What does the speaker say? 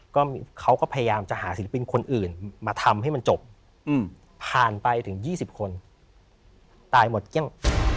ก็เขาก็พยายามจะหาศิลปินคนอื่นมาทำให้มันจบผ่านไปถึง๒๐คนตายหมดเกลี้ยง